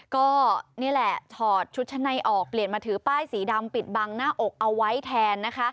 ก็นี่แหละถอดชุดชั้นในออกเปลี่ยนมาถือป้ายสีดำปิดบังหน้าอกเอาไว้แทนนะคะ